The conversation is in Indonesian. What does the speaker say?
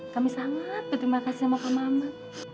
kami sangat berterima kasih sama pak maman